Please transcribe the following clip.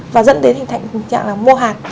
và dẫn đến hình thành tình trạng là mô hạt